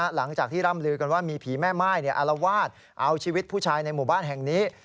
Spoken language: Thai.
หลังจากที่ร่ำลือกันว่ามีผีแม่ม่ายอารวาสเอาชีวิตผู้ชายในหมู่บ้านแห่งนี้